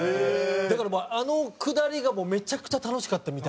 だからあのくだりがめちゃくちゃ楽しかったみたいで。